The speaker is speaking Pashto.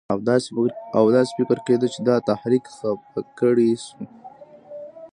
او داسې فکر کېده چې دا تحریک خفه کړی شو.